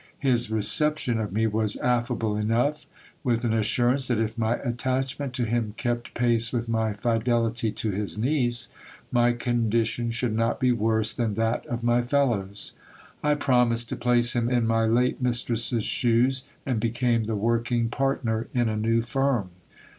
His reception of me was affable enough, with an assurance that if my attachment to him kept pace with my fidelity to his niece, my condition should not be worse than that of my fellows. I promised to place him in my late mistress's shoes, and be came the working partner in a new firm.